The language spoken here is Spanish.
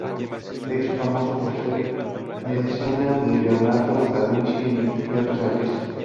Se hizo famoso por ser mecenas de Leonardo da Vinci y otros artistas.